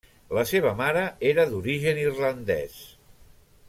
La seva mare era d'origen irlandès.